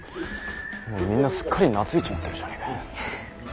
みんなすっかり懐いちまってるじゃねぇか。